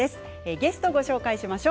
ゲストをご紹介します。